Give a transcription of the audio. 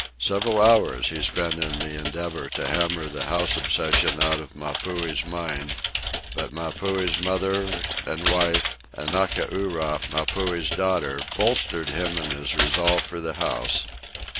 Several hours he spent in the endeavor to hammer the house obsession out of Mapuhi's mind; but Mapuhi's mother and wife, and Ngakura, Mapuhi's daughter, bolstered him in his resolve for the house.